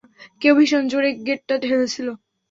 কেউ ভীষণ জোরে গেটটা ঠেলছিল!